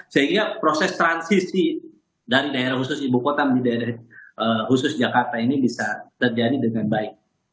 sehingga proses transisi dari daerah khusus ibu kota menjadi daerah khusus jakarta ini bisa terjadi dengan baik